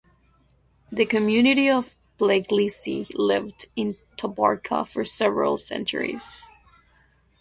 The community of Pegliesi lived in Tabarka for several centuries.